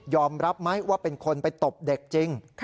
รับไหมว่าเป็นคนไปตบเด็กจริง